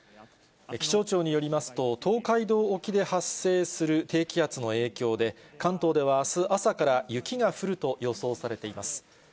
気象庁によりますと、東海道沖で発生する低気圧の影響で、関東ではあす朝から雪が降ると予想されています。